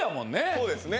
そうですね。